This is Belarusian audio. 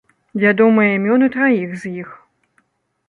Вядомыя імёны траіх з іх.